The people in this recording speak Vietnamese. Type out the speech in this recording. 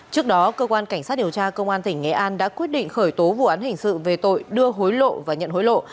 trước đó cơ quan cảnh sát điều tra công an tỉnh nghệ an đã quyết định khởi tố vụ án hình sự về tội đưa hối lộ và nhận hối lộ